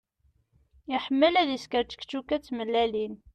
Iḥemmel ad isker čekčuka d tmellalin.